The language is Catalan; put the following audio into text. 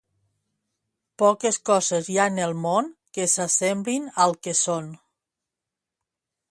Poques coses hi ha en el món que s'assemblin al que són.